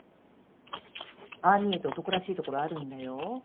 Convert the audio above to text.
ああ見えて男らしいところあるんだよ。